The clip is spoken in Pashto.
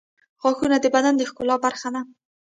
غاښونه د بدن د ښکلا برخه ده.